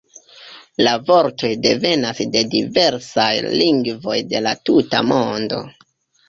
La vortoj devenas de diversaj lingvoj de la tuta mondo.